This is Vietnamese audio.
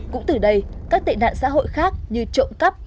cũng từ đây các tệ nạn xã hội khác như trộm cắp